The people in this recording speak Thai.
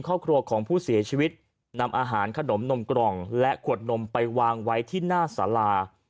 ครอบครัวของผู้เสียชีวิตนำอาหารขนมนมกล่องและขวดนมไปวางไว้ที่หน้าสารา